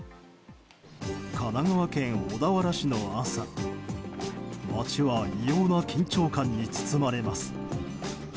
神奈川県小田原市の朝町は異様な緊張感に包まれます。